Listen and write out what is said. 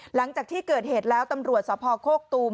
หลังจากที่เกิดเหตุแล้วตำรวจสภโคกตูม